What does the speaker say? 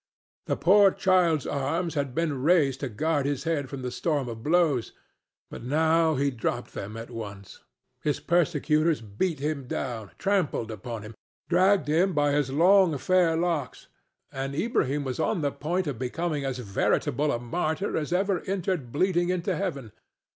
The poor child's arms had been raised to guard his head from the storm of blows, but now he dropped them at once. His persecutors beat him down, trampled upon him, dragged him by his long fair locks, and Ilbrahim was on the point of becoming as veritable a martyr as ever entered bleeding into heaven.